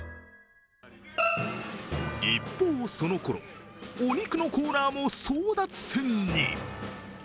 一方そのころ、お肉のコーナーも争奪戦に。